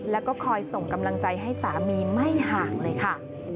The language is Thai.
แล้วก็คอยส่งกำลังใจให้สามีไม่ห่างเลยค่ะ